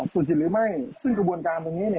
สูจิหรือไม่ซึ่งกระบวนการตรงนี้